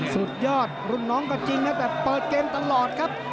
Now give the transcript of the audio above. สุดยอดรุ่นน้องก็จริงนะแต่เปิดเกมตลอดครับ